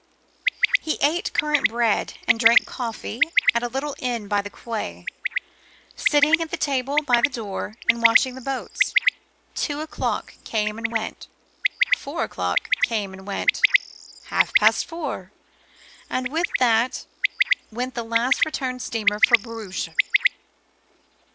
He ate currant bread and drank coffee at a little inn by the quay, sitting at the table by the door and watching the boats. Two o'clock came and went. Four o'clock came, half past four, and with that went the last return steamer for Bruges.